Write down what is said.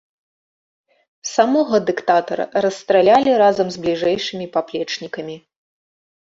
Самога дыктатара расстралялі разам з бліжэйшымі паплечнікамі.